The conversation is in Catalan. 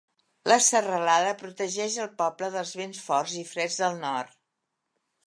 La serralada protegeix al poble dels vents forts i freds del nord.